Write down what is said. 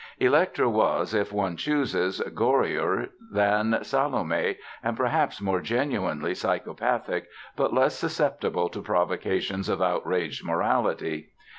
Elektra was, if one chooses, gorier than Salome and perhaps more genuinely psychopathic but less susceptible to provocations of outraged morality.